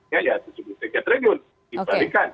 ya ya tujuh puluh tiga triliun